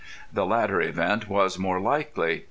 The latter event was more likely.